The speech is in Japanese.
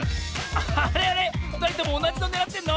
あれあれ⁉ふたりともおなじのねらってるの？